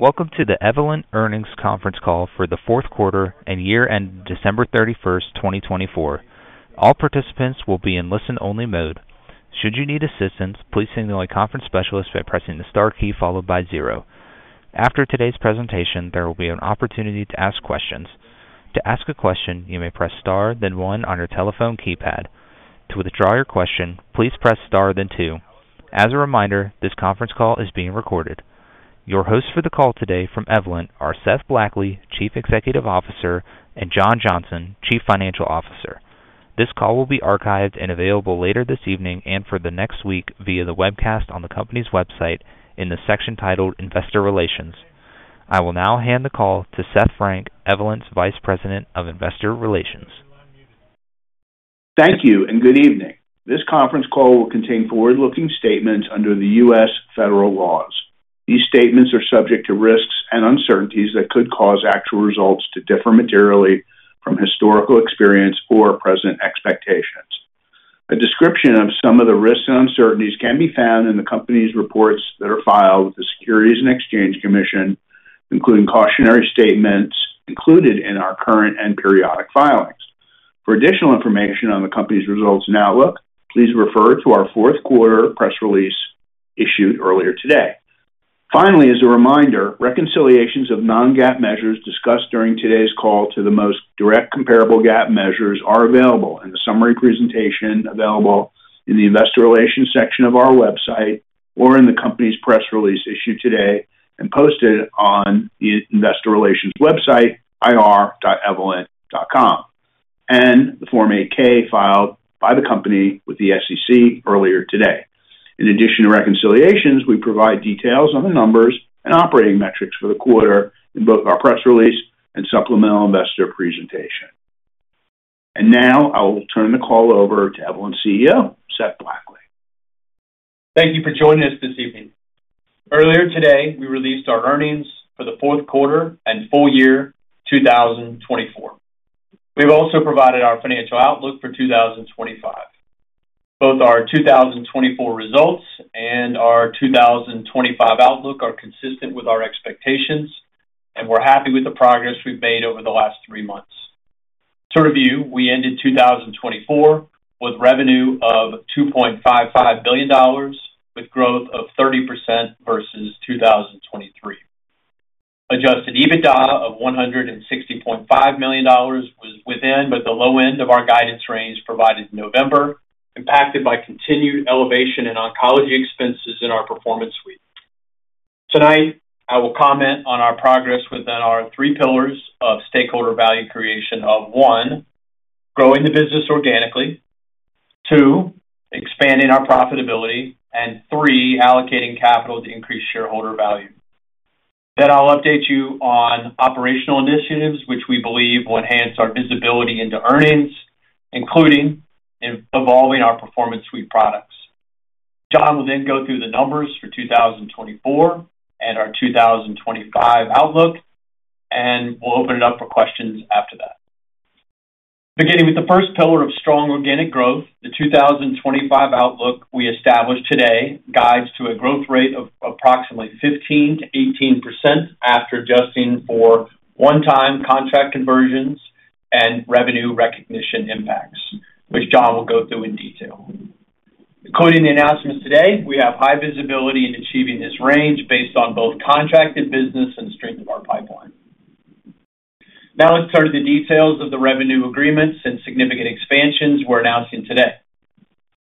Welcome to the Evolent Earnings Conference Call for the Q4 and Year-End December 31st, 2024. All participants will be in listen-only mode. Should you need assistance, please signal a conference specialist by pressing the star key followed by zero. After today's presentation, there will be an opportunity to ask questions. To ask a question, you may press star, then one on your telephone keypad. To withdraw your question, please press star, then two. As a reminder, this conference call is being recorded. Your hosts for the call today from Evolent are Seth Blackley, Chief Executive Officer, and John Johnson, Chief Financial Officer. This call will be archived and available later this evening and for the next week via the webcast on the company's website in the section titled Investor Relations. I will now hand the call to Seth Frank, Evolent's Vice President of Investor Relations. Thank you and good evening. This Conference Call will contain forward-looking statements under the U.S. Federal Laws. These statements are subject to risks and uncertainties that could cause actual results to differ materially from historical experience or present expectations. A description of some of the risks and uncertainties can be found in the company's reports that are filed with the U.S. Securities and Exchange Commission, including cautionary statements included in our current and periodic filings. For additional information on the company's results and outlook, please refer to our Q4 press release issued earlier today. Finally, as a reminder, reconciliations of non-GAAP measures discussed during today's call to the most direct comparable GAAP measures are available in the summary presentation available in the Investor Relations section of our website or in the company's press release issued today and posted on the Investor Relations website, ir.evolent.com, and the Form 8-K filed by the company with the SEC earlier today. In addition to reconciliations, we provide details on the numbers and operating metrics for the quarter in both our press release and supplemental investor presentation, and now I will turn the call over to Evolent CEO, Seth Blackley. Thank you for joining us this evening. Earlier today, we released our Earnings for the Q4 and Full Year 2024. We've also provided our financial outlook for 2025. Both our 2024 results and our 2025 outlook are consistent with our expectations, and we're happy with the progress we've made over the last three months. To review, we ended 2024 with revenue of $2.55 billion, with growth of 30% versus 2023. Adjusted EBITDA of $160.5 million was within, but the low end of our guidance range provided in November, impacted by continued elevation in oncology expenses in our Performance Suite. Tonight, I will comment on our progress within our three pillars of stakeholder value creation of: one, growing the business organically; two, expanding our profitability; and three, allocating capital to increase shareholder value. Then I'll update you on operational initiatives, which we believe will enhance our visibility into earnings, including evolving our Performance Suite products. John will then go through the numbers for 2024 and our 2025 outlook, and we'll open it up for questions after that. Beginning with the first pillar of strong organic growth, the 2025 outlook we established today guides to a growth rate of approximately 15%-18% after adjusting for one-time contract conversions and revenue recognition impacts, which John will go through in detail. Including the announcements today, we have high visibility in achieving this range based on both contracted business and the strength of our pipeline. Now let's start with the details of the revenue agreements and significant expansions we're announcing today.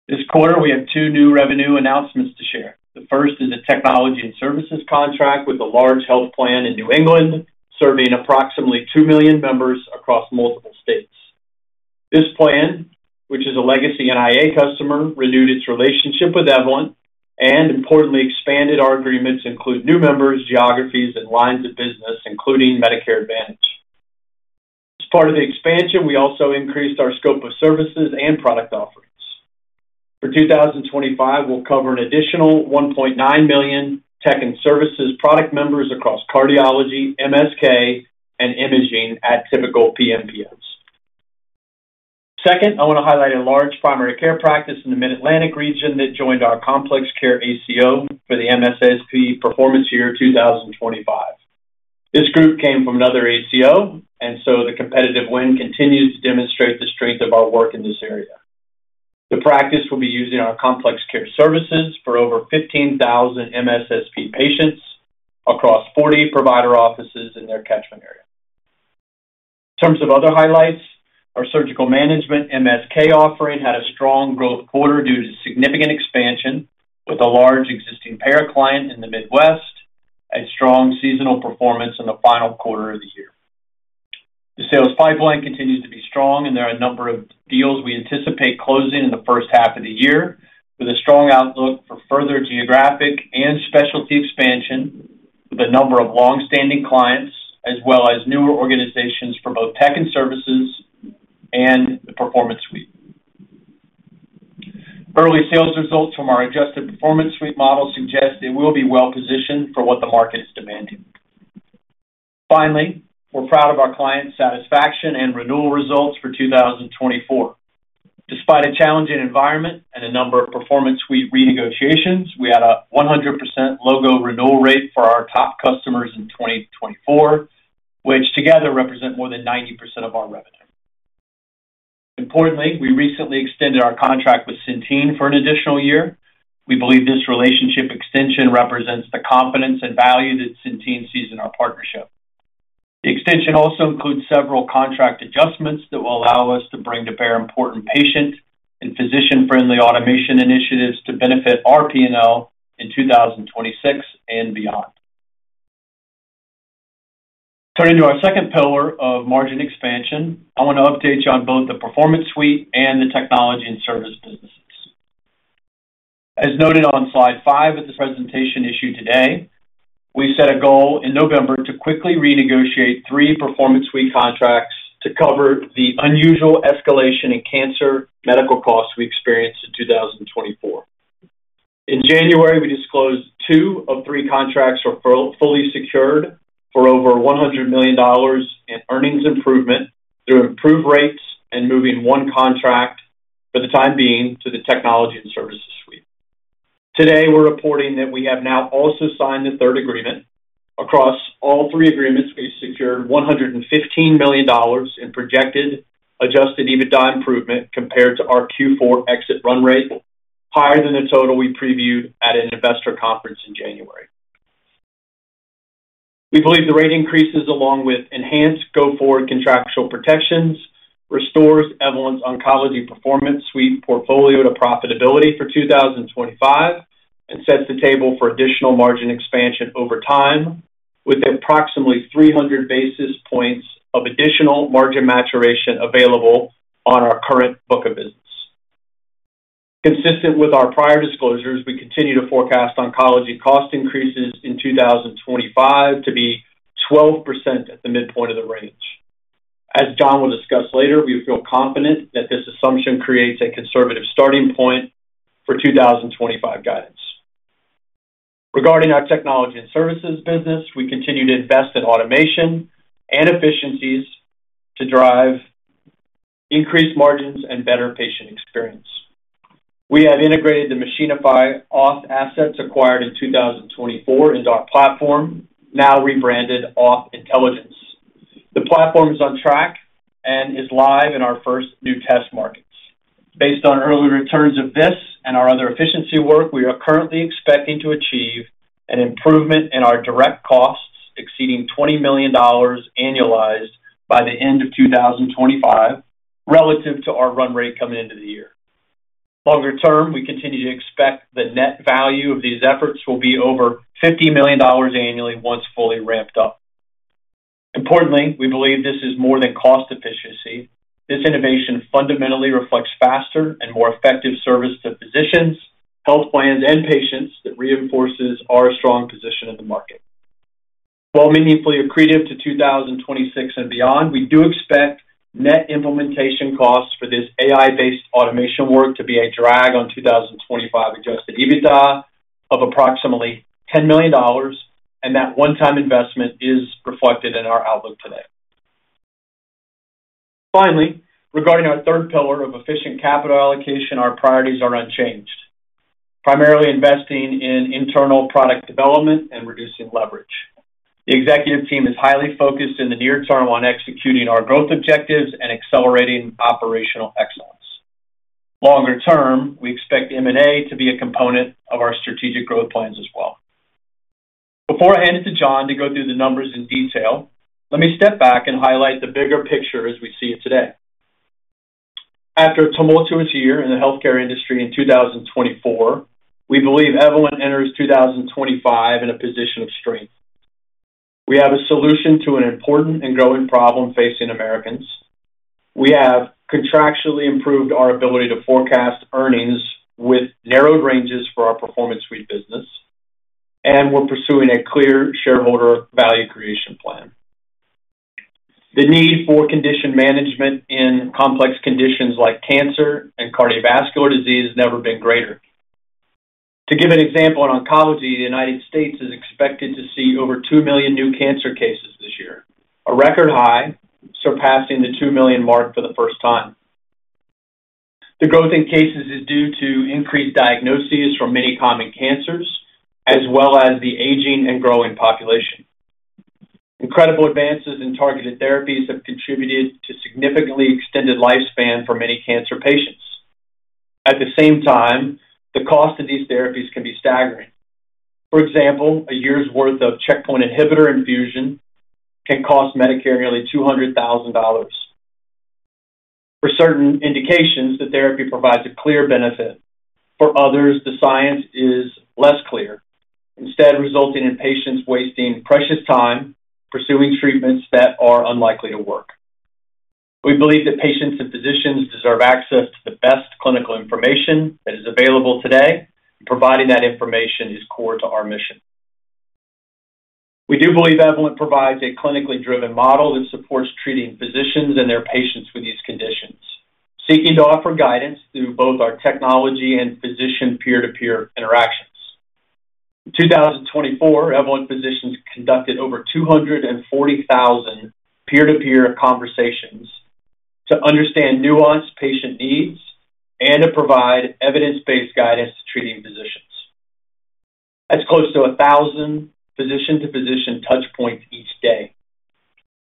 This quarter, we have two new revenue announcements to share. The first is a Technology and Services contract with a large health plan in New England, serving approximately two million members across multiple states. This plan, which is a legacy NIA customer, renewed its relationship with Evolent and, importantly, expanded our agreements to include new members, geographies, and lines of business, including Medicare Advantage. As part of the expansion, we also increased our scope of services and product offerings. For 2025, we'll cover an additional 1.9 million Tech and Services product members across cardiology, MSK, and imaging at typical PMPs. Second, I want to highlight a large primary care practice in the Mid-Atlantic region that joined our Complex Care ACO for the MSSP performance year 2025. This group came from another ACO, and so the competitive win continues to demonstrate the strength of our work in this area. The practice will be using our Complex Care services for over 15,000 MSSP patients across 40 provider offices in their catchment area. In terms of other highlights, our surgical management MSK offering had a strong growth quarter due to significant expansion with a large existing payer client in the Midwest and strong seasonal performance in the final quarter of the year. The sales pipeline continues to be strong, and there are a number of deals we anticipate closing in the first half of the year with a strong outlook for further geographic and specialty expansion with a number of long-standing clients as well as newer organizations for both Tech and Services and the Performance Suite. Early sales results from our adjusted Performance Suite model suggest it will be well-positioned for what the market's demanding. Finally, we're proud of our client satisfaction and renewal results for 2024. Despite a challenging environment and a number of Performance Suite renegotiations, we had a 100% logo renewal rate for our top customers in 2024, which together represent more than 90% of our revenue. Importantly, we recently extended our contract with Centene for an additional year. We believe this relationship extension represents the confidence and value that Centene sees in our partnership. The extension also includes several contract adjustments that will allow us to bring to bear important patient and physician-friendly automation initiatives to benefit our P&L in 2026 and beyond. Turning to our second pillar of margin expansion, I want to update you on both the Performance Suite and the Technology and Services businesses. As noted on slide five of the presentation issued today, we set a goal in November to quickly renegotiate three Performance Suite contracts to cover the unusual escalation in cancer medical costs we experienced in 2024. In January, we disclosed two of three contracts were fully secured for over $100 million in earnings improvement through improved rates and moving one contract for the time being to the Technology and Services Suite. Today, we're reporting that we have now also signed the third agreement. Across all three agreements, we secured $115 million in projected Adjusted EBITDA improvement compared to our Q4 exit run rate, higher than the total we previewed at an investor conference in January. We believe the rate increases along with enhanced go-forward contractual protections restores Evolent's oncology Performance Suite portfolio to profitability for 2025 and sets the table for additional margin expansion over time with approximately 300 basis points of additional margin maturation available on our current book of business. Consistent with our prior disclosures, we continue to forecast oncology cost increases in 2025 to be 12% at the midpoint of the range. As John will discuss later, we feel confident that this assumption creates a conservative starting point for 2025 guidance. Regarding our Technology and Services business, we continue to invest in automation and efficiencies to drive increased margins and better patient experience. We have integrated the Machinify auth assets acquired in 2024 into our platform, now rebranded Auth Intelligence. The platform is on track and is live in our first new test markets. Based on early returns of this and our other efficiency work, we are currently expecting to achieve an improvement in our direct costs exceeding $20 million annualized by the end of 2025 relative to our run rate coming into the year. Longer term, we continue to expect the net value of these efforts will be over $50 million annually once fully ramped up. Importantly, we believe this is more than cost efficiency. This innovation fundamentally reflects faster and more effective service to physicians, health plans, and patients that reinforces our strong position in the market. While meaningfully accretive to 2026 and beyond, we do expect net implementation costs for this AI-based automation work to be a drag on 2025 Adjusted EBITDA of approximately $10 million, and that one-time investment is reflected in our outlook today. Finally, regarding our third pillar of efficient capital allocation, our priorities are unchanged, primarily investing in internal product development and reducing leverage. The executive team is highly focused in the near term on executing our growth objectives and accelerating operational excellence. Longer term, we expect M&A to be a component of our strategic growth plans as well. Before I hand it to John to go through the numbers in detail, let me step back and highlight the bigger picture as we see it today. After a tumultuous year in the healthcare industry in 2024, we believe Evolent enters 2025 in a position of strength. We have a solution to an important and growing problem facing Americans. We have contractually improved our ability to forecast earnings with narrowed ranges for our Performance Suite business, and we're pursuing a clear shareholder value creation plan. The need for condition management in complex conditions like cancer and cardiovascular disease has never been greater. To give an example, in oncology, the United States is expected to see over 2 million new cancer cases this year, a record high, surpassing the 2 million mark for the first time. The growth in cases is due to increased diagnoses for many common cancers, as well as the aging and growing population. Incredible advances in targeted therapies have contributed to significantly extended lifespan for many cancer patients. At the same time, the cost of these therapies can be staggering. For example, a year's worth of checkpoint inhibitor infusion can cost Medicare nearly $200,000. For certain indications, the therapy provides a clear benefit. For others, the science is less clear, instead resulting in patients wasting precious time pursuing treatments that are unlikely to work. We believe that patients and physicians deserve access to the best clinical information that is available today, and providing that information is core to our mission. We do believe Evolent provides a clinically driven model that supports treating physicians and their patients with these conditions, seeking to offer guidance through both our technology and physician peer-to-peer interactions. In 2024, Evolent physicians conducted over 240,000 peer-to-peer conversations to understand nuanced patient needs and to provide evidence-based guidance to treating physicians. That's close to 1,000 physician-to-physician touchpoints each day.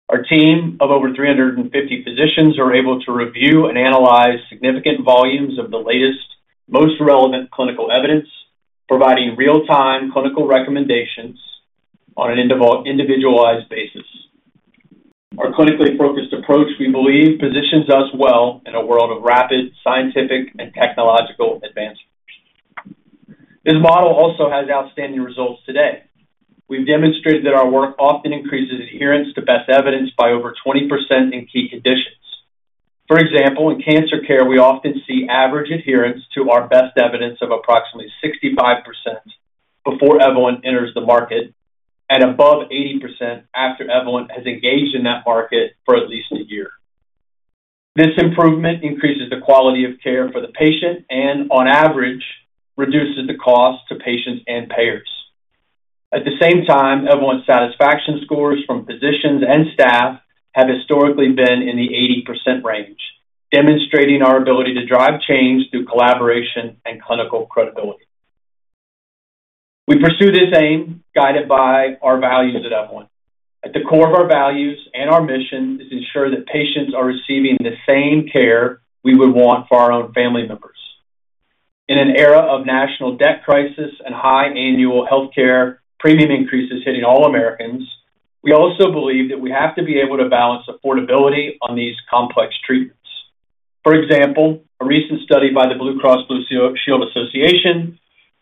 Our team of over 350 physicians are able to review and analyze significant volumes of the latest, most relevant clinical evidence, providing real-time clinical recommendations on an individualized basis. Our clinically focused approach, we believe, positions us well in a world of rapid scientific and technological advancements. This model also has outstanding results today. We've demonstrated that our work often increases adherence to best evidence by over 20% in key conditions. For example, in cancer care, we often see average adherence to our best evidence of approximately 65% before Evolent enters the market and above 80% after Evolent has engaged in that market for at least a year. This improvement increases the quality of care for the patient and, on average, reduces the cost to patients and payers. At the same time, Evolent's satisfaction scores from physicians and staff have historically been in the 80% range, demonstrating our ability to drive change through collaboration and clinical credibility. We pursue this aim guided by our values at Evolent. At the core of our values and our mission is to ensure that patients are receiving the same care we would want for our own family members. In an era of national debt crisis and high annual healthcare premium increases hitting all Americans, we also believe that we have to be able to balance affordability on these complex treatments. For example, a recent study by the Blue Cross Blue Shield Association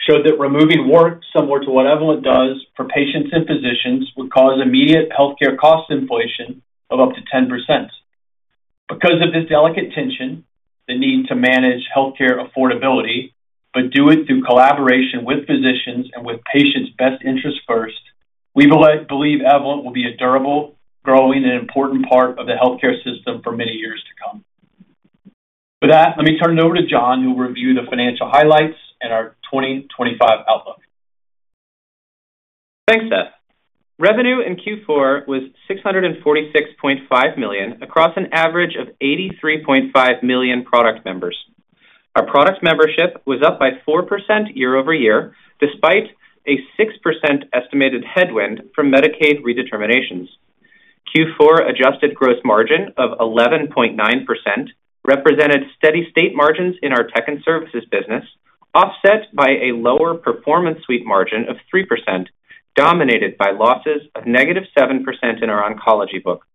showed that removing work similar to what Evolent does for patients and physicians would cause immediate healthcare cost inflation of up to 10%. Because of this delicate tension, the need to manage healthcare affordability, but do it through collaboration with physicians and with patients' best interests first, we believe Evolent will be a durable, growing, and important part of the healthcare system for many years to come. With that, let me turn it over to John, who will review the financial highlights and our 2025 outlook. Thanks, Seth. Revenue in Q4 was $646.5 million across an average of 83.5 million product members. Our product membership was up by 4% year-over-year, despite a 6% estimated headwind from Medicaid Redeterminations. Q4 Adjusted gross margin of 11.9% represented steady state margins in our Tech and Services business, offset by a lower Performance Suite margin of 3%, dominated by losses of negative 7% in our oncology book.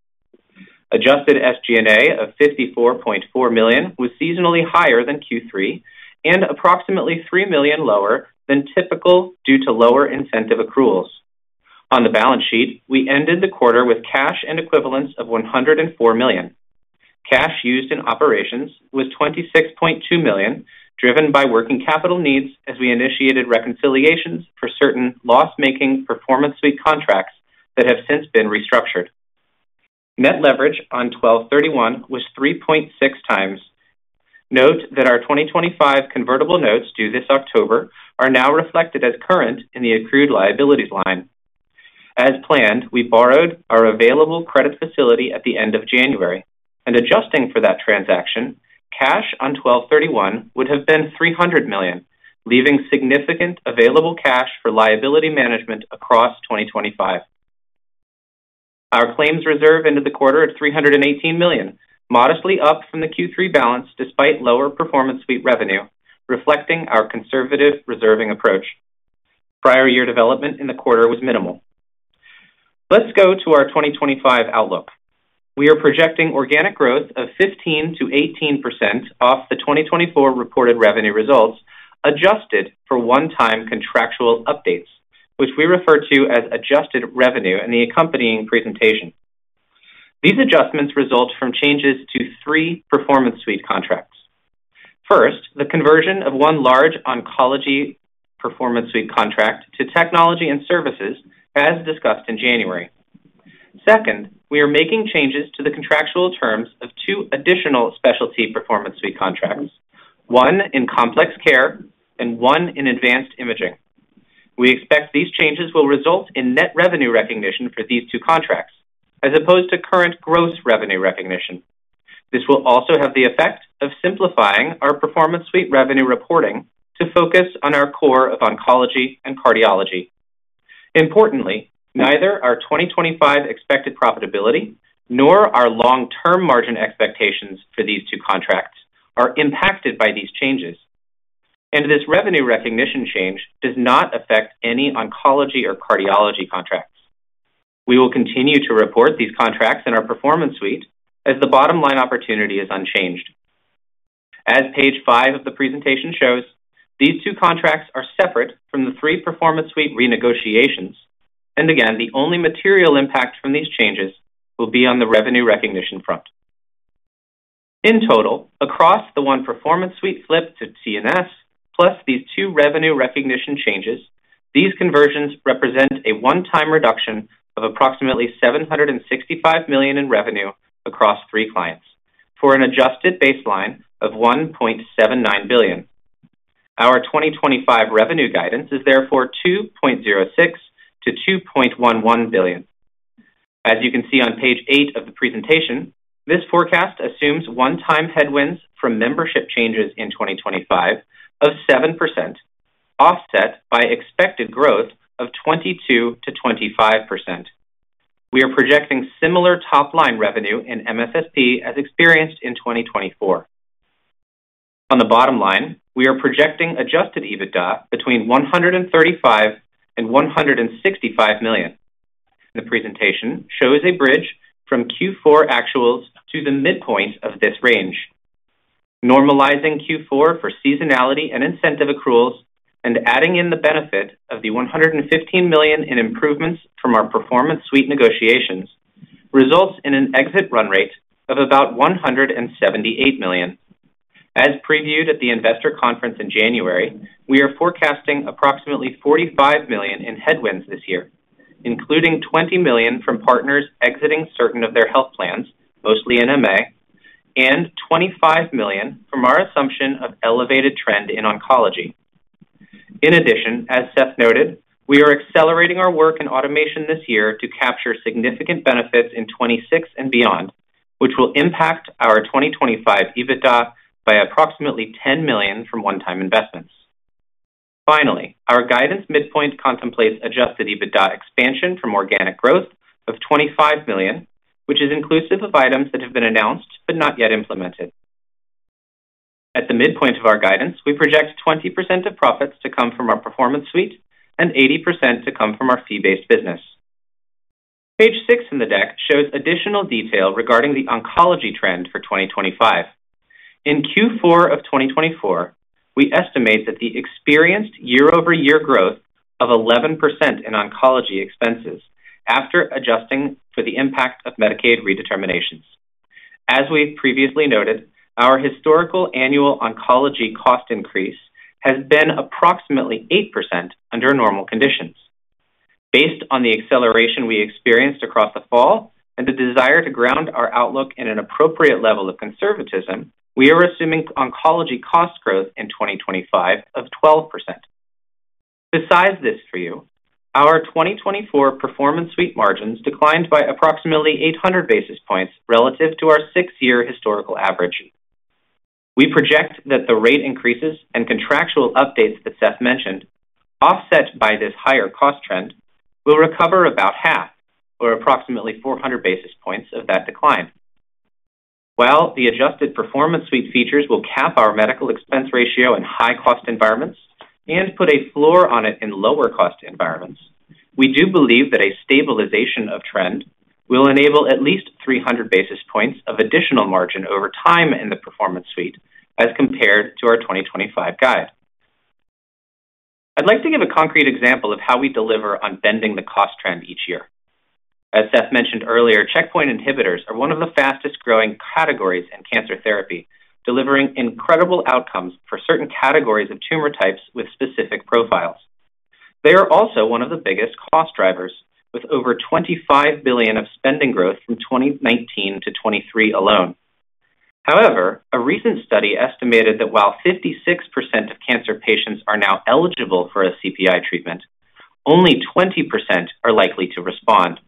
Adjusted SG&A of $54.4 million was seasonally higher than Q3 and approximately $3 million lower than typical due to lower incentive accruals. On the balance sheet, we ended the quarter with cash and equivalents of $104 million. Cash used in operations was $26.2 million, driven by working capital needs as we initiated reconciliations for certain loss-making Performance Suite contracts that have since been restructured. Net leverage on December 31 was 3.6 times. Note that our 2025 convertible notes due this October are now reflected as current in the accrued liabilities line. As planned, we borrowed our available credit facility at the end of January and adjusting for that transaction, cash on December 31 would have been $300 million, leaving significant available cash for liability management across 2025. Our claims reserve into the quarter of $318 million, modestly up from the Q3 balance despite lower Performance Suite revenue, reflecting our conservative reserving approach. Prior year development in the quarter was minimal. Let's go to our 2025 outlook. We are projecting organic growth of 15%-18% off the 2024 reported revenue results, adjusted for one-time contractual updates, which we refer to as Adjusted revenue in the accompanying presentation. These adjustments result from changes to three Performance Suite contracts. First, the conversion of one large oncology Performance Suite contract to Technology and Services, as discussed in January. Second, we are making changes to the contractual terms of two additional specialty Performance Suite contracts, one in Complex Care and one in Advanced Imaging. We expect these changes will result in net revenue recognition for these two contracts, as opposed to current gross revenue recognition. This will also have the effect of simplifying our Performance Suite revenue reporting to focus on our core of oncology and cardiology. Importantly, neither our 2025 expected profitability nor our long-term margin expectations for these two contracts are impacted by these changes. And this revenue recognition change does not affect any oncology or cardiology contracts. We will continue to report these contracts in our Performance Suite as the bottom line opportunity is unchanged. As page five of the presentation shows, these two contracts are separate from the three Performance Suite renegotiations. And again, the only material impact from these changes will be on the revenue recognition front. In total, across the one Performance Suite flip to T&S, plus these two revenue recognition changes, these conversions represent a one-time reduction of approximately $765 million in revenue across three clients for an Adjusted baseline of $1.79 billion. Our 2025 revenue guidance is therefore $2.06-$2.11 billion. As you can see on page eight of the presentation, this forecast assumes one-time headwinds from membership changes in 2025 of 7%, offset by expected growth of 22%-25%. We are projecting similar top-line revenue in MSSP as experienced in 2024. On the bottom line, we are projecting Adjusted EBITDA between $135 million and $165 million. The presentation shows a bridge from Q4 actuals to the midpoint of this range. Normalizing Q4 for seasonality and incentive accruals and adding in the benefit of the $115 million in improvements from our Performance Suite negotiations results in an exit run rate of about $178 million. As previewed at the investor conference in January, we are forecasting approximately $45 million in headwinds this year, including $20 million from partners exiting certain of their health plans, mostly MA, and $25 million from our assumption of elevated trend in oncology. In addition, as Seth noted, we are accelerating our work in automation this year to capture significant benefits in 2026 and beyond, which will impact our 2025 EBITDA by approximately $10 million from one-time investments. Finally, our guidance midpoint contemplates adjusted EBITDA expansion from organic growth of $25 million, which is inclusive of items that have been announced but not yet implemented. At the midpoint of our guidance, we project 20% of profits to come from our Performance Suite and 80% to come from our fee-based business. Page six in the deck shows additional detail regarding the oncology trend for 2025. In Q4 of 2024, we estimate that we experienced year-over-year growth of 11% in oncology expenses after adjusting for the impact of Medicaid Redeterminations. As we've previously noted, our historical annual oncology cost increase has been approximately 8% under normal conditions. Based on the acceleration we experienced across the fall and the desire to ground our outlook in an appropriate level of conservatism, we are assuming oncology cost growth in 2025 of 12%. To size this for you, our 2024 Performance Suite margins declined by approximately 800 basis points relative to our six-year historical average. We project that the rate increases and contractual updates that Seth mentioned, offset by this higher cost trend, will recover about half, or approximately 400 basis points of that decline. While the Adjusted Performance Suite features will cap our medical expense ratio in high-cost environments and put a floor on it in lower-cost environments, we do believe that a stabilization of trend will enable at least 300 basis points of additional margin over time in the Performance Suite as compared to our 2025 guide. I'd like to give a concrete example of how we deliver on bending the cost trend each year. As Seth mentioned earlier checkpoint inhibitor are one of the fastest-growing categories in cancer therapy, delivering incredible outcomes for certain categories of tumor types with specific profiles. They are also one of the biggest cost drivers, with over $25 billion of spending growth from 2019 to 2023 alone. However, a recent study estimated that while 56% of cancer patients are now eligible for a CPI treatment, only 20% are likely to respond.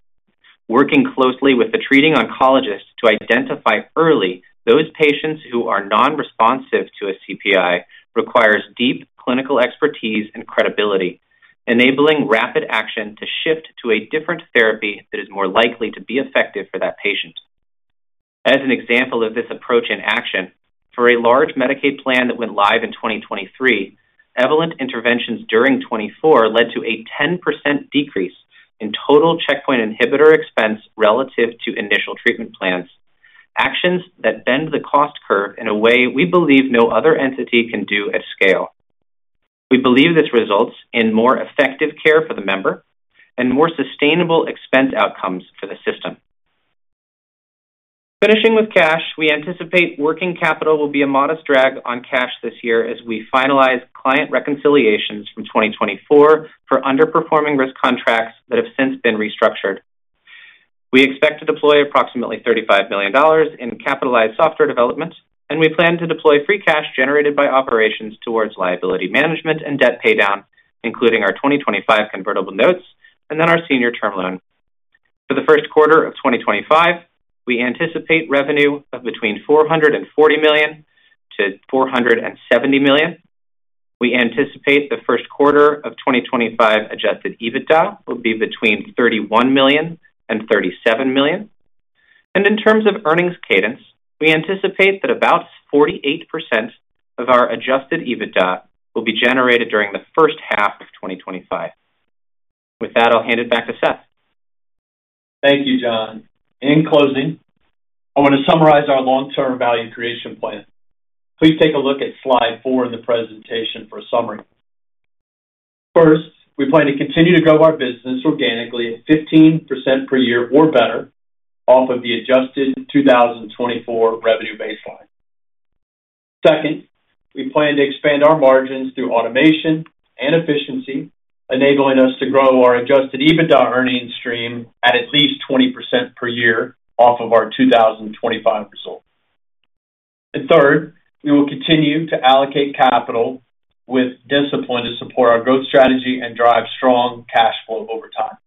Working closely with the treating oncologist to identify early those patients who are nonresponsive to a CPI requires deep clinical expertise and credibility, enabling rapid action to shift to a different therapy that is more likely to be effective for that patient. As an example of this approach in action, for a large Medicaid plan that went live in 2023, Evolent interventions during 2024 led to a 10% decrease in total checkpoint inhibitor expense relative to initial treatment plans, actions that bend the cost curve in a way we believe no other entity can do at scale. We believe this results in more effective care for the member and more sustainable expense outcomes for the system. Finishing with cash, we anticipate working capital will be a modest drag on cash this year as we finalize client reconciliations from 2024 for underperforming risk contracts that have since been restructured. We expect to deploy approximately $35 million in capitalized software development, and we plan to deploy free cash generated by operations towards liability management and debt paydown, including our 2025 convertible notes and then our senior term loan. For the Q1 of 2025, we anticipate revenue of between $440 million to $470 million. We anticipate the Q1 of 2025 Adjusted EBITDA will be between $31 million and $37 million. And in terms of earnings cadence, we anticipate that about 48% of our Adjusted EBITDA will be generated during the first half of 2025. With that, I'll hand it back to Seth. Thank you, John. In closing, I want to summarize our long-term value creation plan. Please take a look at slide four in the presentation for a summary. First, we plan to continue to grow our business organically at 15% per year or better off of the Adjusted 2024 revenue baseline. Second, we plan to expand our margins through automation and efficiency, enabling us to grow our Adjusted EBITDA earnings stream at least 20% per year off of our 2025 result. And third, we will continue to allocate capital with discipline to support our growth strategy and drive strong cash flow over time.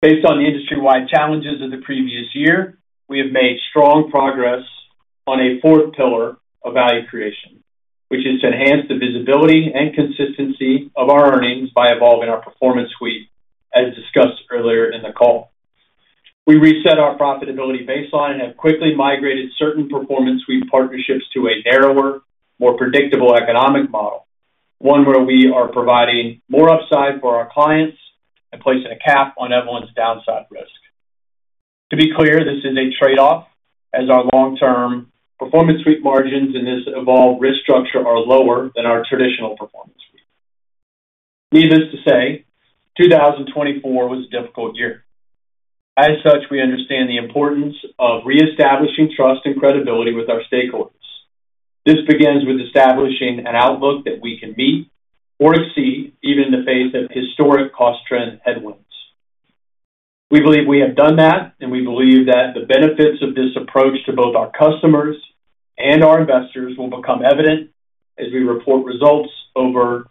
Based on the industry-wide challenges of the previous year, we have made strong progress on a fourth pillar of value creation, which is to enhance the visibility and consistency of our earnings by evolving our Performance Suite, as discussed earlier in the call. We reset our profitability baseline and have quickly migrated certain Performance Suite partnerships to a narrower, more predictable economic model, one where we are providing more upside for our clients and placing a cap on everyone's downside risk. To be clear, this is a trade-off, as our long-term Performance Suite margins in this evolved risk structure are lower than our traditional Performance Suite. Needless to say, 2024 was a difficult year. As such, we understand the importance of reestablishing trust and credibility with our stakeholders. This begins with establishing an outlook that we can meet or exceed, even in the face of historic cost trend headwinds. We believe we have done that, and we believe that the benefits of this approach to both our customers and our investors will become evident as we report results over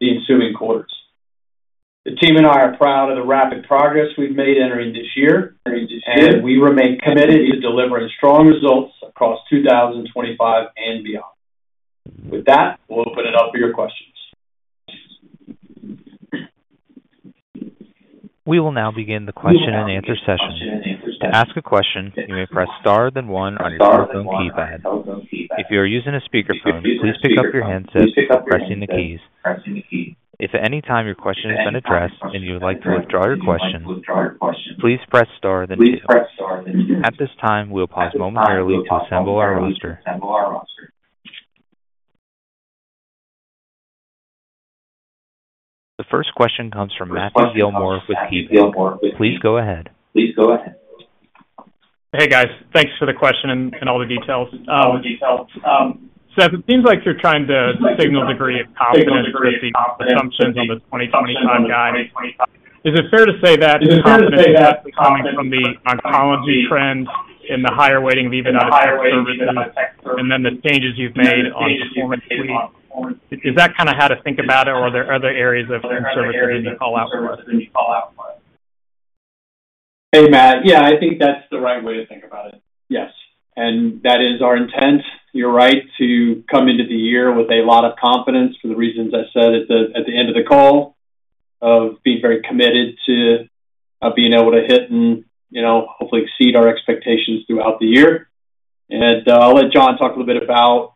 the ensuing quarters. The team and I are proud of the rapid progress we've made entering this year, and we remain committed to delivering strong results across 2025 and beyond. With that, we'll open it up for your questions. We will now begin the question and answer session. To ask a question, you may press star then one on your smartphone keypad. If you are using a speakerphone, please pick up your handset and press the keys. If at any time your question has been addressed and you would like to withdraw your question, please press star then two. At this time, we'll pause momentarily to assemble our roster. The first question comes from Matthew Gillmor with KeyBanc. Please go ahead. Please go ahead. Hey, guys. Thanks for the question and all the details. Seth, it seems like you're trying to signal a degree of confidence with the assumptions on the 2025 guide. Is it fair to say that the confidence that's coming from the oncology trend in the higher weighting of EBITDA services and then the changes you've made on Performance Suite, is that kind of how to think about it, or are there other areas of service that you need to call out for us? Hey, Matt. Yeah, I think that's the right way to think about it. Yes. And that is our intent. You're right to come into the year with a lot of confidence for the reasons I said at the end of the call, of being very committed to being able to hit and hopefully exceed our expectations throughout the year. And I'll let John talk a little bit about,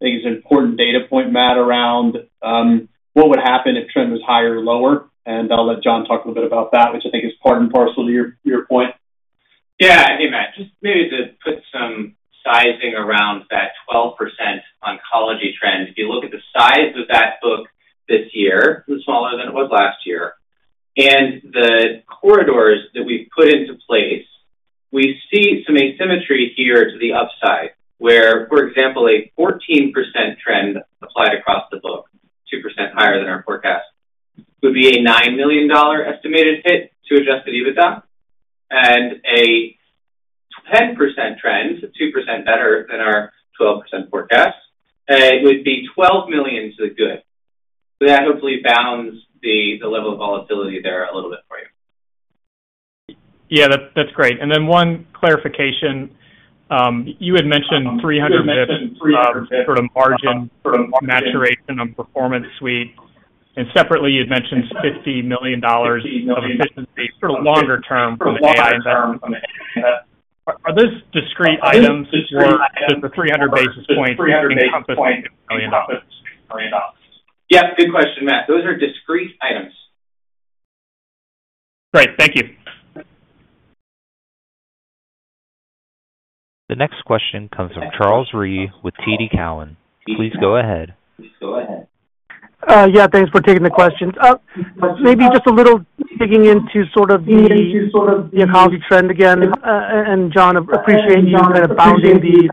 I think, his important data point, Matt, around what would happen if trend was higher or lower. And I'll let John talk a little bit about that, which I think is part and parcel to your point. Yeah. Hey, Matt. Just maybe to put some sizing around that 12% oncology trend, if you look at the size of that book this year, it's smaller than it was last year. And the corridors that we've put into place, we see some asymmetry here to the upside, where, for example, a 14% trend applied across the book, 2% higher than our forecast, would be a $9 million estimated hit to Adjusted EBITDA. And a 10% trend, 2% better than our 12% forecast, would be $12 million to the good. That hopefully bounds the level of volatility there a little bit for you. Yeah, that's great. And then one clarification. You had mentioned 300 basis points sort of margin maturation on Performance Suite. And separately, you'd mentioned $50 million of efficiency sort of longer term from the AI investment. Are those discrete items where the 300 basis points encompass $6 million? Yeah. Good question, Matt. Those are discrete items. Great. Thank you. The next question comes from Charles Rhyee with TD Cowen. Please go ahead. Yeah. Thanks for taking the questions. Maybe just a little digging into sort of the oncology trend again. And John, appreciate you kind of bounding the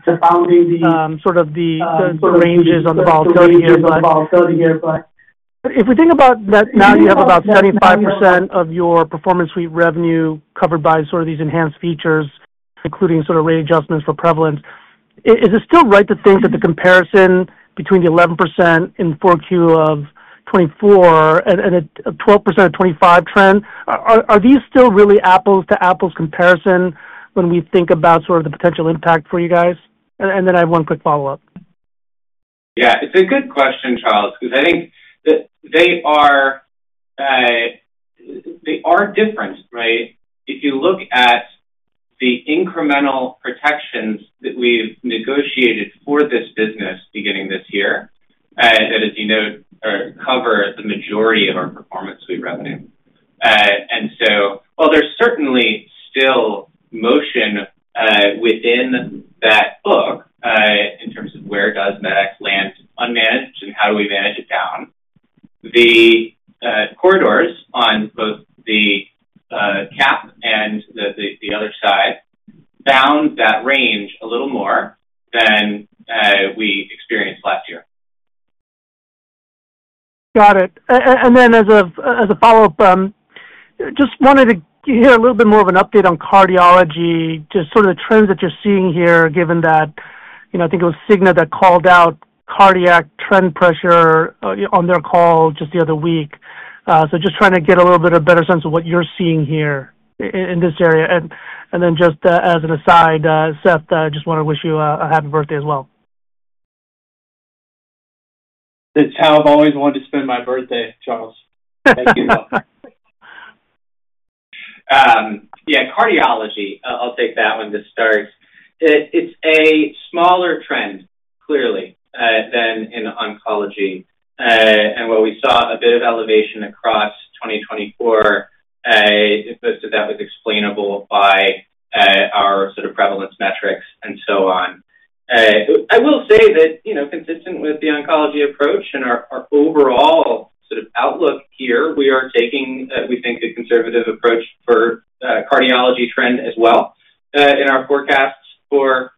sort of the ranges on the volatility here. But if we think about that, now you have about 75% of your Performance Suite revenue covered by sort of these enhanced features, including sort of rate adjustments for prevalence. Is it still right to think that the comparison between the 11% in 2024 and a 12% of 2025 trend, are these still really apples-to-apples comparison when we think about sort of the potential impact for you guys? And then I have one quick follow-up. Yeah. It's a good question, Charles, because I think that they are different, right? If you look at the incremental protections that we've negotiated for this business beginning this year that, as you know, cover the majority of our Performance Suite revenue. And so, well, there's certainly still motion within that book in terms of where MedEx land unmanaged and how do we manage it down. The corridors on both the cap and the other side bound that range a little more than we experienced last year. Got it. And then as a follow-up, just wanted to hear a little bit more of an update on cardiology, just sort of the trends that you're seeing here, given that I think it was Cigna that called out cardiac trend pressure on their call just the other week. So just trying to get a little bit of a better sense of what you're seeing here in this area. And then just as an aside, Seth, I just want to wish you a happy birthday as well. That's how I've always wanted to spend my birthday, Charles. Thank you. Yeah. cardiology, I'll take that one to start. It's a smaller trend, clearly, than in oncology, and while we saw a bit of elevation across 2024, most of that was explainable by our sort of prevalence metrics and so on. I will say that consistent with the oncology approach and our overall sort of outlook here, we are taking, we think, a conservative approach for cardiology trend as well in our forecasts for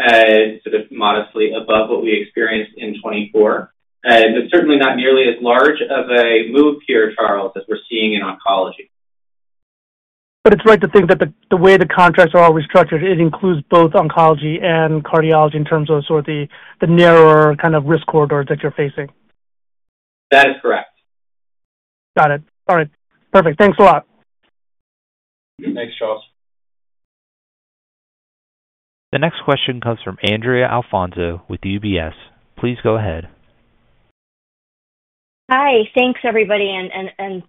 2025, sort of modestly above what we experienced in 2024, but certainly not nearly as large of a move here, Charles, as we're seeing in oncology. But it's right to think that the way the contracts are always structured, it includes both oncology and cardiology in terms of sort of the narrower kind of risk corridors that you're facing. That is correct. Got it. All right. Perfect. Thanks a lot. Thanks, Charles. The next question comes from Andrea Alfonso with UBS. Please go ahead. Hi. Thanks, everybody. And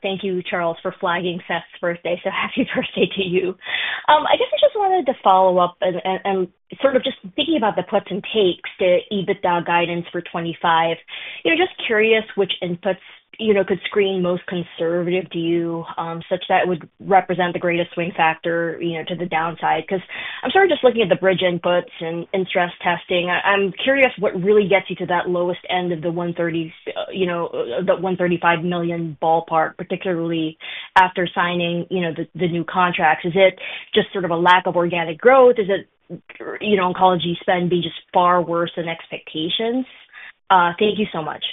thank you, Charles, for flagging Seth's birthday. So happy birthday to you. I guess I just wanted to follow up and sort of just thinking about the puts and takes to EBITDA guidance for 2025. Just curious which inputs could seem most conservative to you such that it would represent the greatest swing factor to the downside. Because I'm sort of just looking at the bridge inputs and stress testing. I'm curious what really gets you to that lowest end of the $135 million ballpark, particularly after signing the new contracts. Is it just sort of a lack of organic growth? Is it oncology spend being just far worse than expectations? Thank you so much.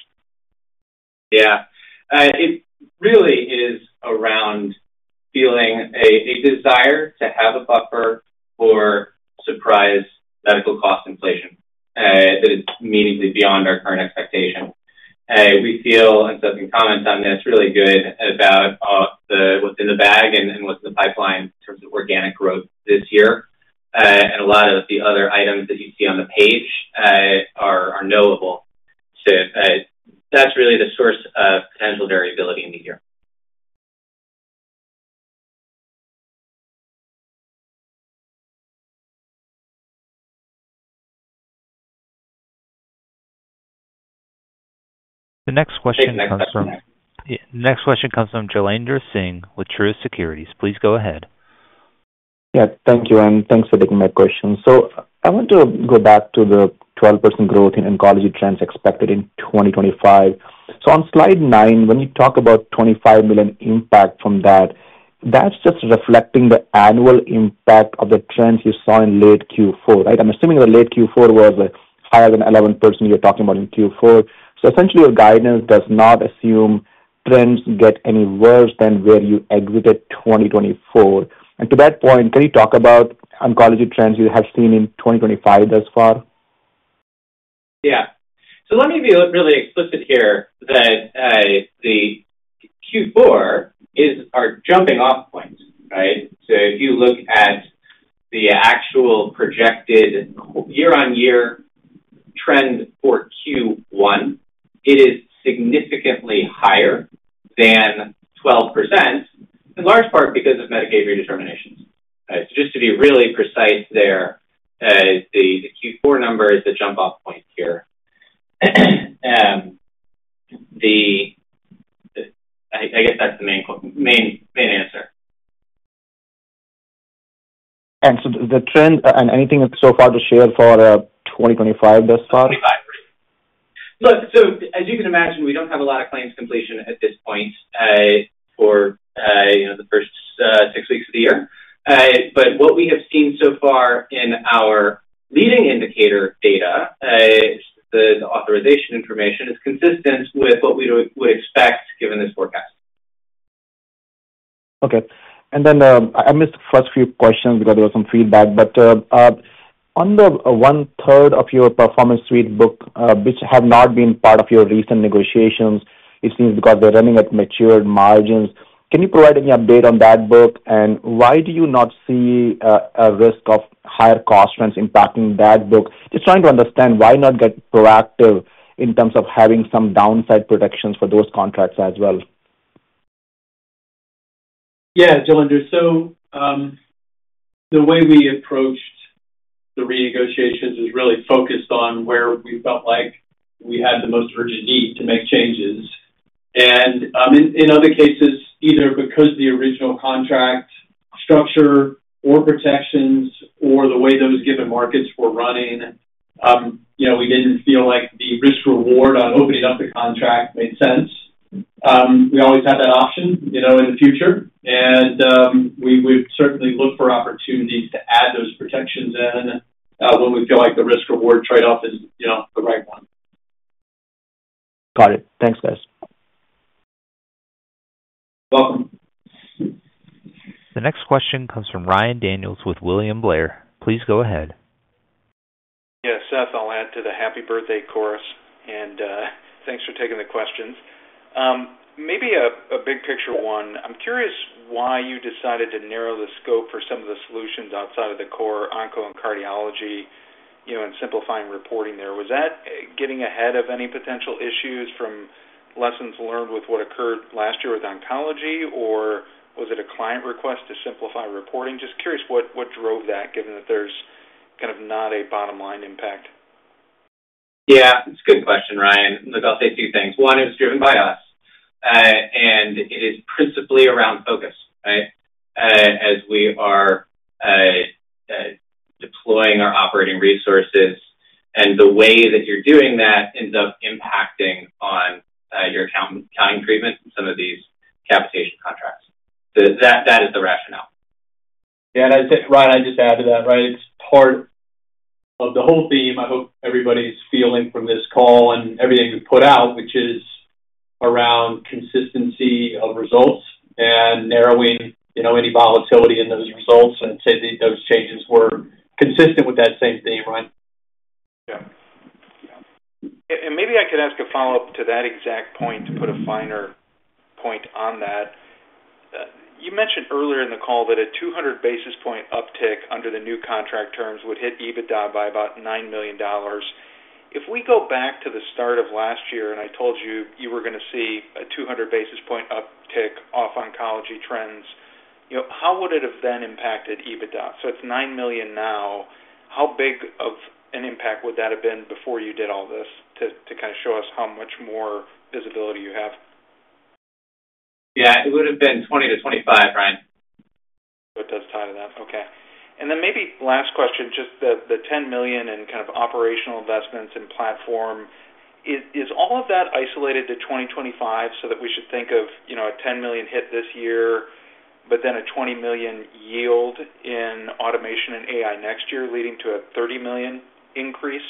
Yeah. It really is around feeling a desire to have a buffer for surprise medical cost inflation that is meaningfully beyond our current expectation. We feel, and Seth can comment on this, really good about what's in the bag and what's in the pipeline in terms of organic growth this year, and a lot of the other items that you see on the page are knowable. So that's really the source of potential variability in the year. The next question comes from Jailendra Singh with Truist Securities. Please go ahead. Yeah. Thank you, and thanks for taking my question. So I want to go back to the 12% growth in oncology trends expected in 2025. So on slide nine, when you talk about $25 million impact from that, that's just reflecting the annual impact of the trends you saw in late Q4, right? I'm assuming the late Q4 was higher than 11% you're talking about in Q4. So essentially, your guidance does not assume trends get any worse than where you exited 2024. And to that point, can you talk about oncology trends you have seen in 2025 thus far? Yeah. So let me be really explicit here that the Q4 is our jumping-off point, right? So if you look at the actual projected year-on-year trend for Q1, it is significantly higher than 12%, in large part because of Medicaid Redeterminations. So just to be really precise there, the Q4 number is the jump-off point here. I guess that's the main answer. And so the trend and anything so far to share for 2025 thus far? 2025. Look, so as you can imagine, we don't have a lot of claims completion at this point for the first six weeks of the year. But what we have seen so far in our leading indicator data, the authorization information, is consistent with what we would expect given this forecast. Okay. And then I missed the first few questions because there was some feedback. But on the one-third of your Performance Suite book, which have not been part of your recent negotiations, it seems because they're running at matured margins. Can you provide any update on that book? And why do you not see a risk of higher cost trends impacting that book? Just trying to understand why not get proactive in terms of having some downside protections for those contracts as well. Yeah, Jailendra. So the way we approached the renegotiations was really focused on where we felt like we had the most urgent need to make changes. And in other cases, either because of the original contract structure or protections or the way those given markets were running, we didn't feel like the risk-reward on opening up the contract made sense. We always had that option in the future. And we would certainly look for opportunities to add those protections in when we feel like the risk-reward trade-off is the right one. Got it. Thanks, guys. Welcome. The next question comes from Ryan Daniels with William Blair. Please go ahead. Yeah. Seth, I'll add to the happy birthday chorus. And thanks for taking the questions. Maybe a big-picture one. I'm curious why you decided to narrow the scope for some of the solutions outside of the core onco and cardiology and simplifying reporting there. Was that getting ahead of any potential issues from lessons learned with what occurred last year with oncology, or was it a client request to simplify reporting? Just curious what drove that, given that there's kind of not a bottom-line impact. Yeah. That's a good question, Ryan. Look, I'll say two things. One is driven by us. And it is principally around focus, right, as we are deploying our operating resources. And the way that you're doing that ends up impacting on your accounting treatment and some of these capitation contracts. So that is the rationale. Yeah. And Ryan, I'd just add to that, right? It's part of the whole theme I hope everybody's feeling from this call and everything we've put out, which is around consistency of results and narrowing any volatility in those results. And I'd say those changes were consistent with that same theme, right? Yeah. Maybe I could ask a follow-up to that exact point to put a finer point on that. You mentioned earlier in the call that a 200 basis points uptick under the new contract terms would hit EBITDA by about $9 million. If we go back to the start of last year, and I told you you were going to see a 200 basis points uptick off oncology trends, how would it have then impacted EBITDA? So it's $9 million now. How big of an impact would that have been before you did all this to kind of show us how much more visibility you have? Yeah. It would have been $20 million-$25 million, Ryan. So it does tie to that. Okay. And then maybe last question, just the $10 million in kind of operational investments and platform. Is all of that isolated to 2025 so that we should think of a $10 million hit this year, but then a $20 million yield in automation and AI next year leading to a $30 million increase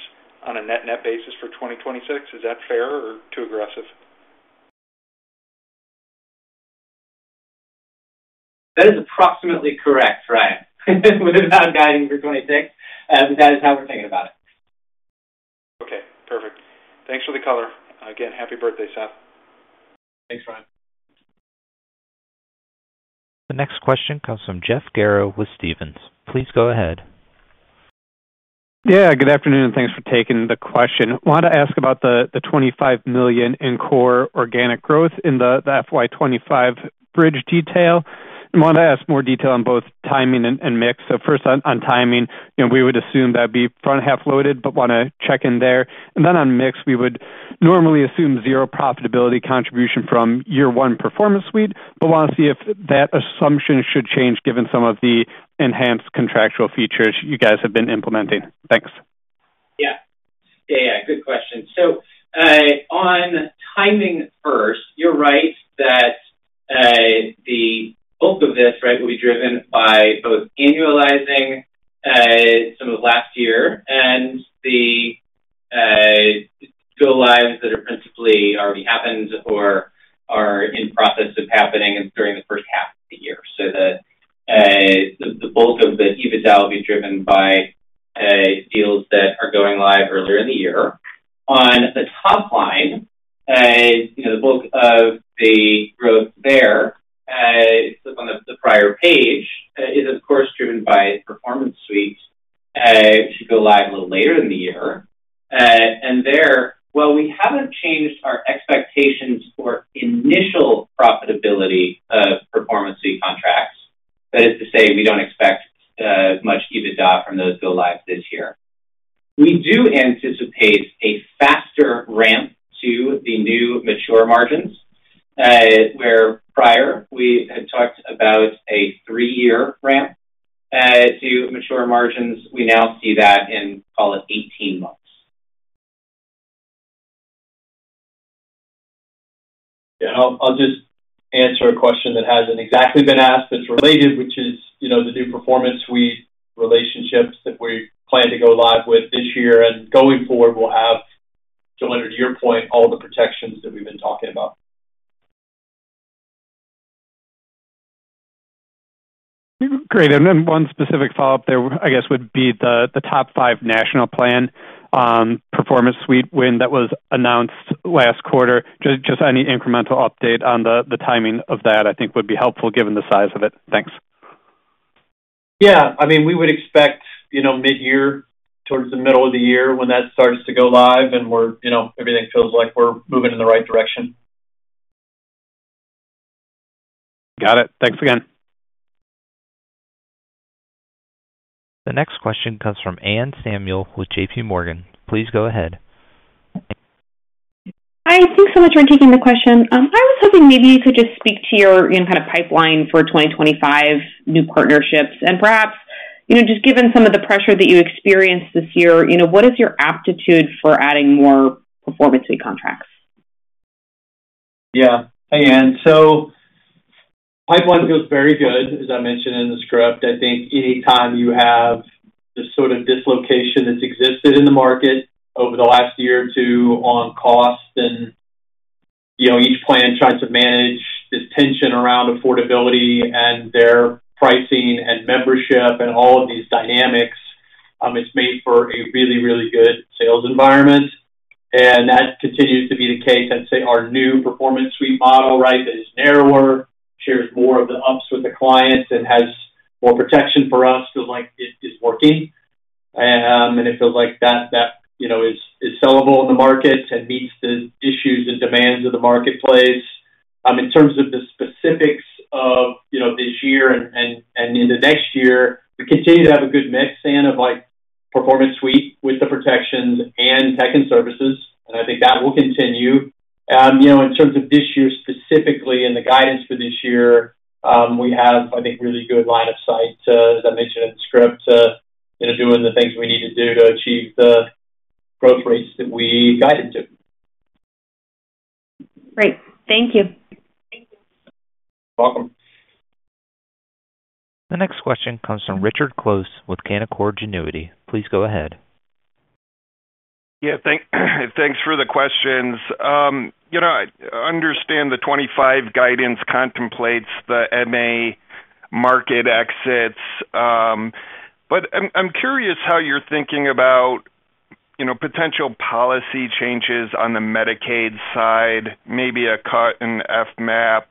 on a net-net basis for 2026? Is that fair or too aggressive? That is approximately correct, Ryan, without guiding for 2026. But that is how we're thinking about it. Okay. Perfect. Thanks for the color. Again, happy birthday, Seth. Thanks, Ryan. The next question comes from Jeff Garro with Stephens. Please go ahead. Yeah. Good afternoon. Thanks for taking the question. Wanted to ask about the $25 million in core organic growth in the FY 2025 bridge detail. And wanted to ask more detail on both timing and mix. So first, on timing, we would assume that'd be front-half loaded, but want to check in there. And then on mix, we would normally assume zero profitability contribution from year-one Performance Suite, but want to see if that assumption should change given some of the enhanced contractual features you guys have been implementing. Thanks. Yeah. Yeah. Good question. So on timing first, you're right that the bulk of this, right, will be driven by both annualizing some of last year and the go-lives that have principally already happened or are in process of happening during the first half of the year. So the bulk of the EBITDA will be driven by deals that are going live earlier in the year. On the top line, the bulk of the growth there, so on the prior page, is, of course, driven by Performance Suite. It should go live a little later in the year. And there, well, we haven't changed our expectations for initial profitability of Performance Suite contracts. That is to say, we don't expect much EBITDA from those go-lives this year. We do anticipate a faster ramp to the new mature margins, where prior we had talked about a three-year ramp to mature margins. We now see that in, call it, 18 months. Yeah. I'll just answer a question that hasn't exactly been asked that's related, which is the new Performance Suite relationships that we plan to go live with this year. And going forward, we'll have John add to your point, all the protections that we've been talking about. Great. And then one specific follow-up there, I guess, would be the top five national plan Performance Suite win that was announced last quarter. Just any incremental update on the timing of that, I think, would be helpful given the size of it. Thanks. Yeah. I mean, we would expect mid-year, towards the middle of the year when that starts to go live, and everything feels like we're moving in the right direction. Got it. Thanks again. The next question comes from Anne Samuel with JPMorgan. Please go ahead. Hi. Thanks so much for taking the question. I was hoping maybe you could just speak to your kind of pipeline for 2025 new partnerships. And perhaps, just given some of the pressure that you experienced this year, what is your aptitude for adding more Performance Suite contracts? Yeah. Hi, Anne. So pipeline feels very good, as I mentioned in the script. I think anytime you have this sort of dislocation that's existed in the market over the last year or two on cost, and each plan tries to manage this tension around affordability and their pricing and membership and all of these dynamics, it's made for a really, really good sales environment. And that continues to be the case. I'd say our new Performance Suite model, right, that is narrower, shares more of the ups with the clients, and has more protection for us feels like it is working. And it feels like that is sellable in the markets and meets the issues and demands of the marketplace. In terms of the specifics of this year and into next year, we continue to have a good mix, Anne, of Performance Suite with the protections and Tech and Services. And I think that will continue. In terms of this year specifically and the guidance for this year, we have, I think, really good line of sight, as I mentioned in the script, to doing the things we need to do to achieve the growth rates that we guided to. Great. Thank you. You're welcome. The next question comes from Richard Close with Canaccord Genuity. Please go ahead. Yeah. Thanks for the questions. I understand the 2025 guidance contemplates the MA market exits. But I'm curious how you're thinking about potential policy changes on the Medicaid side, maybe a cut in FMAP,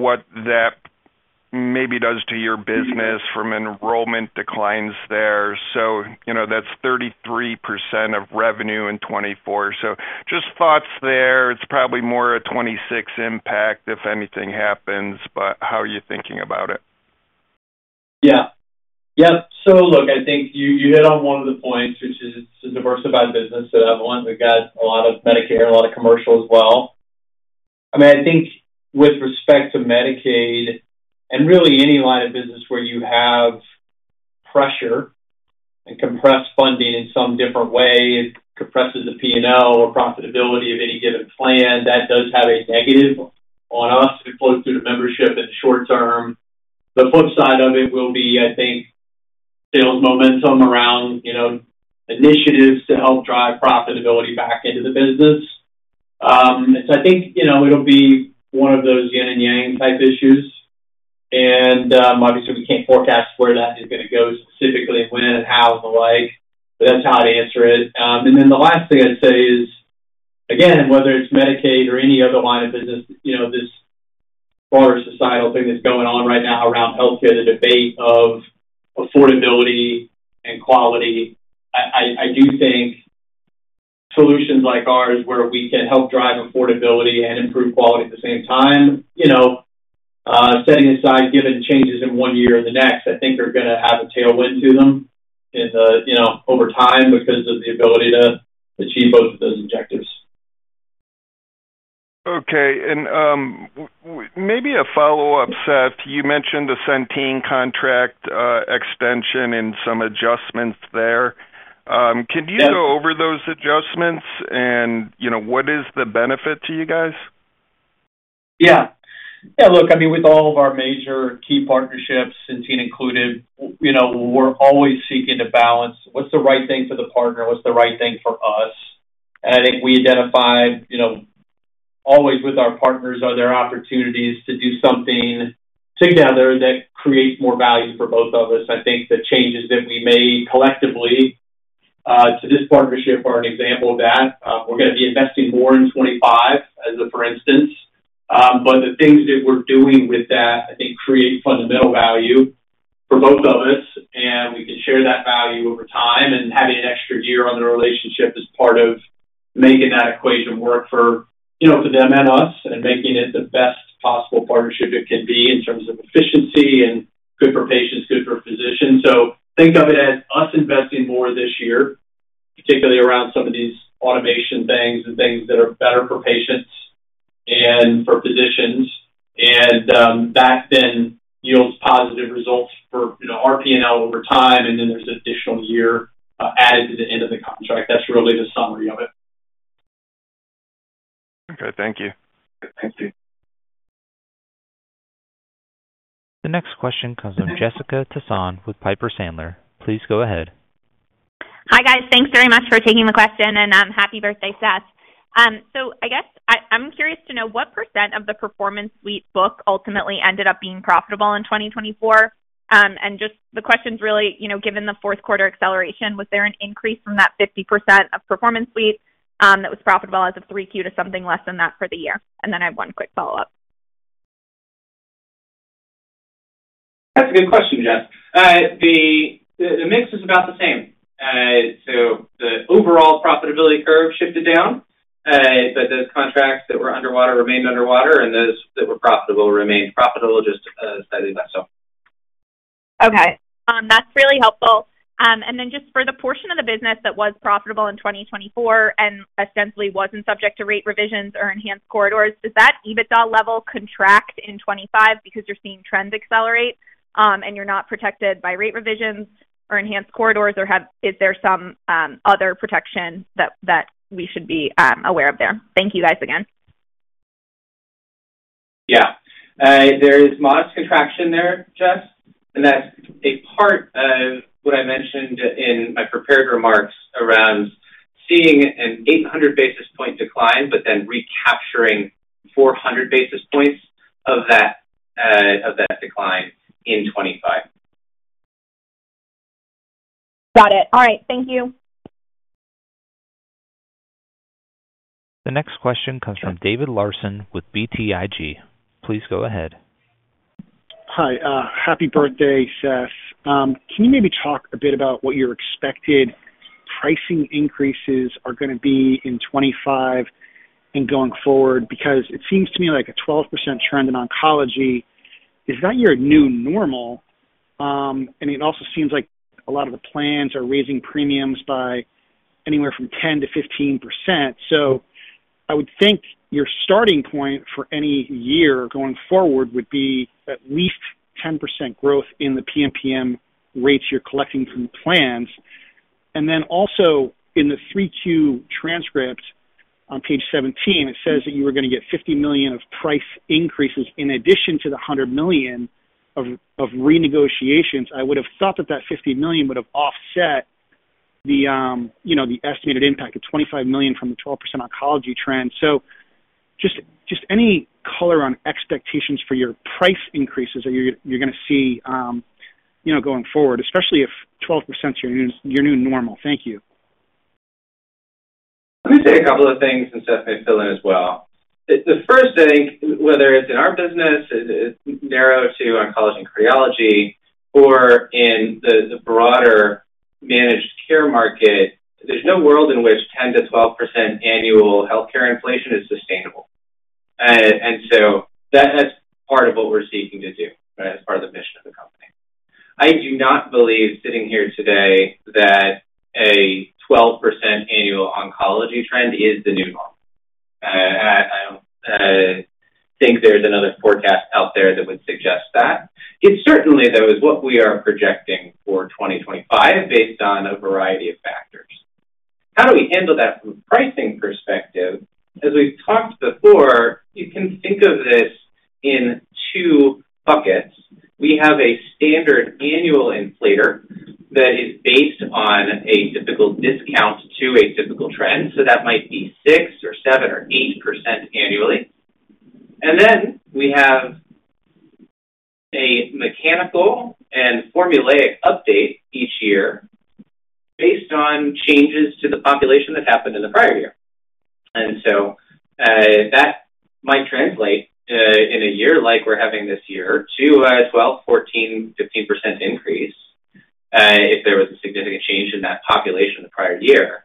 what that maybe does to your business from enrollment declines there. So that's 33% of revenue in 2024. So just thoughts there. It's probably more a 2026 impact if anything happens, but how are you thinking about it? Yeah. Yep. So, look, I think you hit on one of the points, which is it's a diversified business that everyone. We've got a lot of Medicare, a lot of commercial as well. I mean, I think with respect to Medicaid and really any line of business where you have pressure and compressed funding in some different way, it compresses the P&L or profitability of any given plan. That does have a negative on us. It flows through the membership in the short term. The flip side of it will be, I think, sales momentum around initiatives to help drive profitability back into the business. And so I think it'll be one of those yin and yang type issues. And obviously, we can't forecast where that is going to go specifically and when and how and the like. But that's how I'd answer it. And then the last thing I'd say is, again, whether it's Medicaid or any other line of business, this broader societal thing that's going on right now around healthcare, the debate of affordability and quality, I do think solutions like ours where we can help drive affordability and improve quality at the same time, setting aside given changes in one year or the next, I think are going to have a tailwind to them over time because of the ability to achieve both of those objectives. Okay. And maybe a follow-up, Seth. You mentioned the Centene contract extension and some adjustments there. Can you go over those adjustments? And what is the benefit to you guys? Yeah. Yeah. Look, I mean, with all of our major key partnerships, Centene included, we're always seeking to balance what's the right thing for the partner, what's the right thing for us. I think we identify always with our partners are there opportunities to do something together that creates more value for both of us. I think the changes that we made collectively to this partnership are an example of that. We're going to be investing more in 2025, as a for instance. The things that we're doing with that, I think, create fundamental value for both of us. We can share that value over time. Having an extra year on the relationship is part of making that equation work for them and us and making it the best possible partnership it can be in terms of efficiency and good for patients, good for physicians. Think of it as us investing more this year, particularly around some of these automation things and things that are better for patients and for physicians. And that then yields positive results for our P&L over time. And then there's an additional year added to the end of the contract. That's really the summary of it. Okay. Thank you. The next question comes from Jessica Tassan with Piper Sandler. Please go ahead. Hi, guys. Thanks very much for taking the question. And happy birthday, Seth. So I guess I'm curious to know what % of the Performance Suite book ultimately ended up being profitable in 2024? And just the question's really, given the Q4 acceleration, was there an increase from that 50% of Performance Suite that was profitable as of 3Q to something less than that for the year? And then I have one quick follow-up. That's a good question, Jess. The mix is about the same. So the overall profitability curve shifted down. But those contracts that were underwater remained underwater. Those that were profitable remained profitable, just slightly less so. Okay. That's really helpful. And then just for the portion of the business that was profitable in 2024 and essentially wasn't subject to rate revisions or enhanced corridors, does that EBITDA level contract in 2025 because you're seeing trends accelerate and you're not protected by rate revisions or enhanced corridors, or is there some other protection that we should be aware of there? Thank you, guys, again. Yeah. There is modest contraction there, Jess. And that's a part of what I mentioned in my prepared remarks around seeing an 800 basis point decline, but then recapturing 400 basis points of that decline in 2025. Got it. All right. Thank you. The next question comes from David Larsen with BTIG. Please go ahead. Hi. Happy birthday, Seth. Can you maybe talk a bit about what your expected pricing increases are going to be in 2025 and going forward? Because it seems to me like a 12% trend in oncology is that your new normal. And it also seems like a lot of the plans are raising premiums by anywhere from 10%-15%. So I would think your starting point for any year going forward would be at least 10% growth in the PMPM rates you're collecting from the plans. And then also in the 3Q transcript on page 17, it says that you were going to get $50 million of price increases in addition to the $100 million of renegotiations. I would have thought that that $50 million would have offset the estimated impact of $25 million from the 12% oncology trend. Just any color on expectations for your price increases that you're going to see going forward, especially if 12%'s your new normal. Thank you. Let me say a couple of things and Seth may fill in as well. The first thing, whether it's in our business, narrow to oncology and cardiology, or in the broader managed care market, there's no world in which 10%-12% annual healthcare inflation is sustainable. And so that's part of what we're seeking to do, right, as part of the mission of the company. I do not believe, sitting here today, that a 12% annual oncology trend is the new normal. I don't think there's another forecast out there that would suggest that. It certainly, though, is what we are projecting for 2025 based on a variety of factors. How do we handle that from a pricing perspective? As we've talked before, you can think of this in two buckets. We have a standard annual inflator that is based on a typical discount to a typical trend. So that might be six or seven or 8% annually. And then we have a mechanical and formulaic update each year based on changes to the population that happened in the prior year. And so that might translate in a year like we're having this year to a 12, 14, 15% increase if there was a significant change in that population the prior year.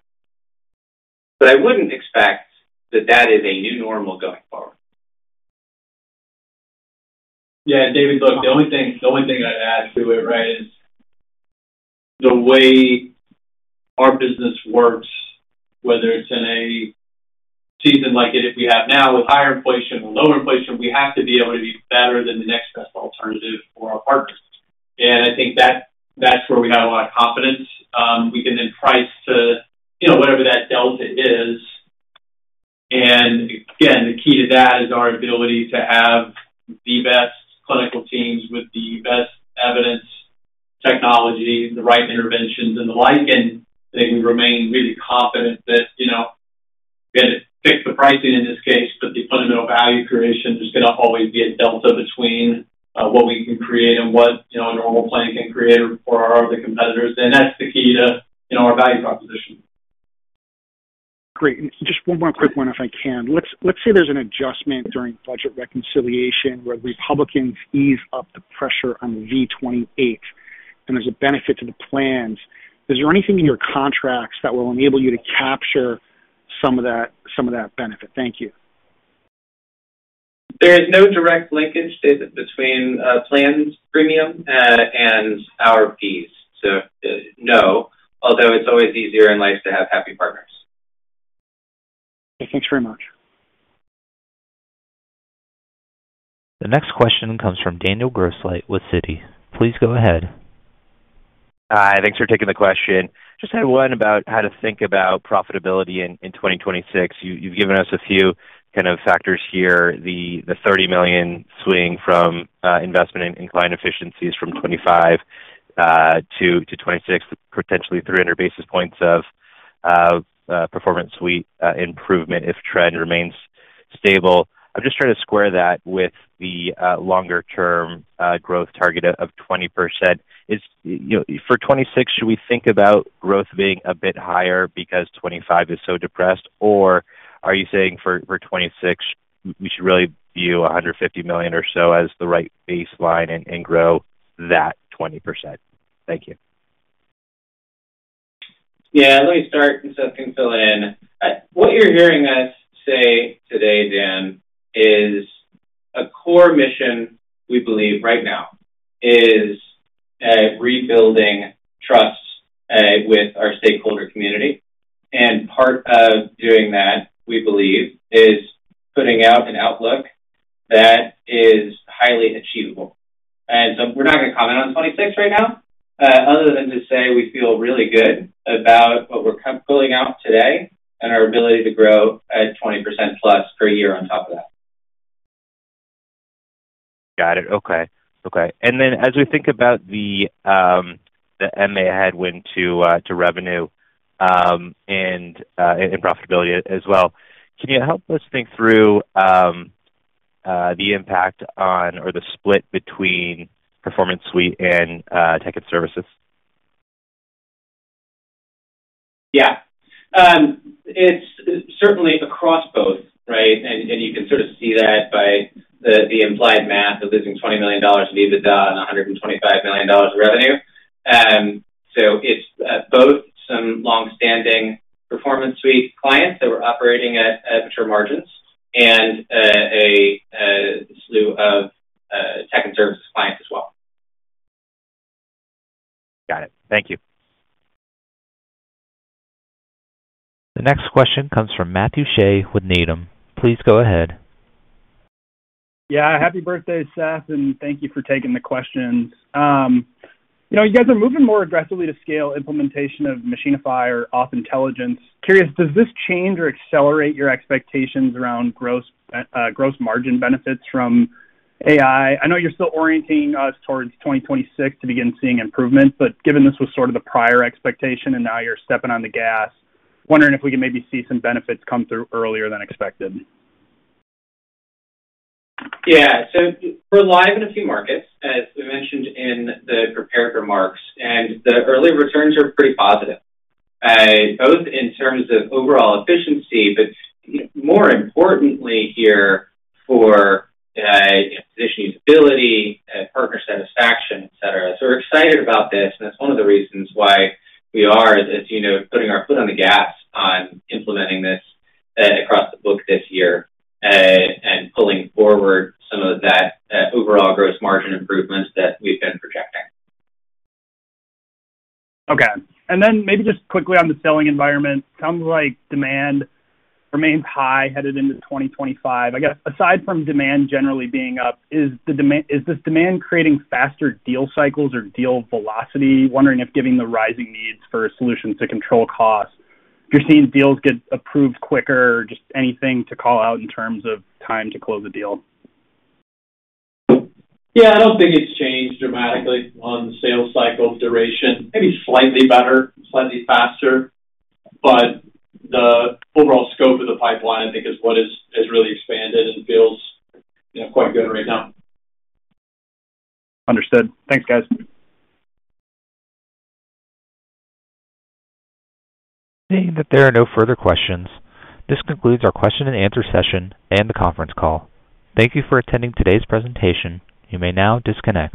But I wouldn't expect that that is a new normal going forward. Yeah. David, look, the only thing I'd add to it, right, is the way our business works, whether it's in a season like we have now with higher inflation or lower inflation, we have to be able to be better than the next best alternative for our partners. And I think that's where we have a lot of confidence. We can then price to whatever that delta is. And again, the key to that is our ability to have the best clinical teams with the best evidence, technology, the right interventions, and the like. And I think we remain really confident that we had to fix the pricing in this case, but the fundamental value creation is going to always be a delta between what we can create and what a normal plan can create for our other competitors. And that's the key to our value proposition. Great. Just one more quick one, if I can. Let's say there's an adjustment during budget reconciliation where Republicans ease up the pressure on V28, and there's a benefit to the plans. Is there anything in your contracts that will enable you to capture some of that benefit? Thank you. There is no direct linkage between plans premium and our fees. So no, although it's always easier in life to have happy partners. Okay. Thanks very much. The next question comes from Daniel Grosslight with Citi. Please go ahead. Hi. Thanks for taking the question. Just had one about how to think about profitability in 2026. You've given us a few kind of factors here. The $30 million swing from investment in client efficiencies from 2025 to 2026, potentially 300 basis points of Performance Suite improvement if trend remains stable. I'm just trying to square that with the longer-term growth target of 20%. For 2026, should we think about growth being a bit higher because 2025 is so depressed? Or are you saying for 2026, we should really view $150 million or so as the right baseline and grow that 20%? Thank you. Yeah. Let me start and Seth can fill in. What you're hearing us say today, Dan, is a core mission we believe right now is rebuilding trust with our stakeholder community. And part of doing that, we believe, is putting out an outlook that is highly achievable. And so we're not going to comment on 2026 right now, other than to say we feel really good about what we're pulling out today and our ability to grow at 20% plus per year on top of that. Got it. Okay. Okay. And then as we think about the MA headwind to revenue and profitability as well, can you help us think through the impact on or the split between Performance Suite and Tech and Services? Yeah. It's certainly across both, right? And you can sort of see that by the implied math of losing $20 million of EBITDA and $125 million of revenue. So it's both some long-standing Performance Suite clients that we're operating at mature margins and a slew of Tech and Services clients as well. Got it. Thank you. The next question comes from Matthew Shea with Needham. Please go ahead. Yeah. Happy birthday, Seth. And thank you for taking the questions. You guys are moving more aggressively to scale implementation of Machinify or auth intelligence. Curious, does this change or accelerate your expectations around gross margin benefits from AI? I know you're still orienting us towards 2026 to begin seeing improvements, but given this was sort of the prior expectation and now you're stepping on the gas, wondering if we can maybe see some benefits come through earlier than expected. Yeah, so we're live in a few markets, as we mentioned in the prepared remarks, and the early returns are pretty positive, both in terms of overall efficiency, but more importantly here for physician usability, partner satisfaction, etc., so we're excited about this, and that's one of the reasons why we are putting our foot on the gas on implementing this across the book this year and pulling forward some of that overall gross margin improvements that we've been projecting. Okay, and then maybe just quickly on the selling environment, it sounds like demand remains high headed into 2025. I guess aside from demand generally being up, is this demand creating faster deal cycles or deal velocity? Wondering if giving the rising needs for solutions to control costs, you're seeing deals get approved quicker, just anything to call out in terms of time to close a deal? Yeah. I don't think it's changed dramatically on the sales cycle duration. Maybe slightly better, slightly faster. But the overall scope of the pipeline, I think, is what has really expanded and feels quite good right now. Understood. Thanks, guys. Seeing that there are no further questions, this concludes our Q&A session and the conference call. Thank you for attending today's presentation. You may now disconnect.